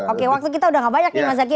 oke waktu kita sudah tidak banyak mas zaky